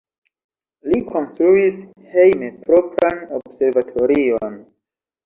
Li konstruis hejme propran observatorion.